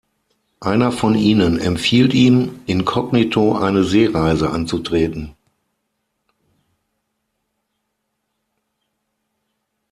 Einer von ihnen empfiehlt ihm, inkognito eine Seereise anzutreten.